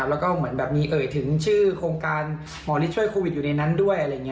และก็เหมือนแบบนี้เอ่ยถึงชื่อโครงการหมอริจช่วยโควิดอยู่ในนั้นด้วย